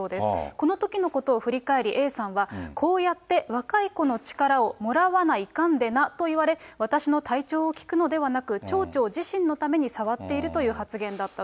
このときのことを振り返り、Ａさんは、こうやって若い子の力をもらわないかんでなと言われ、私の体調を聞くのではなく、町長自身のために触っているという発言だったと。